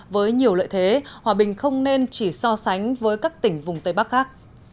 với nhiều lợi thế hòa bình không nên chỉ so sánh với các tỉnh vùng tây bắc khác